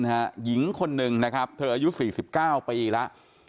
หญิงคนนึงเธออายุ๔๙ปีแล้ว